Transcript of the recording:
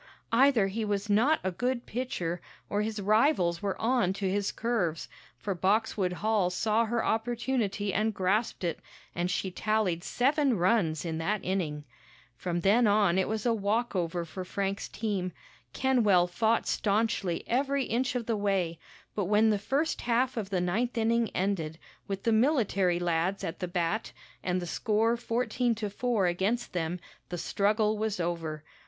Either he was not a good pitcher, or his rivals were on to his curves, for Boxwood Hall saw her opportunity and grasped it, and she tallied seven runs in that inning. From then on it was a walkover for Frank's team. Kenwell fought staunchly every inch of the way, but when the first half of the ninth inning ended, with the military lads at the bat and the score fourteen to four against them, the struggle was over.